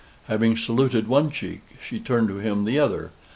Having saluted one cheek, she turned to him the other.